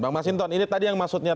bang mas hinton ini tadi yang maksudnya